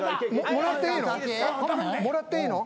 もらっていいの？